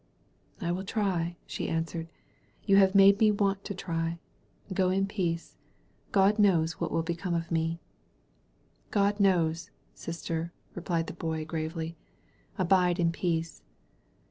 "I will try," she answered; "you have made me want to try. Go in peace. God knows what will become of me." 294 THE BOY OP NAZARETH DREAMS "God knows, sister," replied the Boy gravely. Abide in peace."